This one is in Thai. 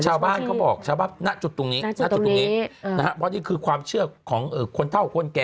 ชาวบ้านเขาบอกชาวบ้านณจุดตรงนี้ณจุดตรงนี้นะฮะเพราะนี่คือความเชื่อของคนเท่าคนแก่